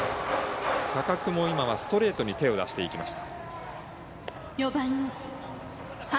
高久も今はストレートに手を出していきました。